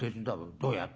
どうやって？」。